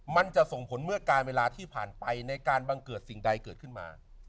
มันจะส่งผลเมื่อการเวลาที่ผ่านไปในการบังเกิดสิ่งใดเกิดขึ้นมา